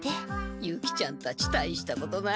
ユキちゃんたちたいしたことない。